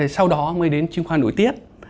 sau đó mới đến chim khoa nổi tiếng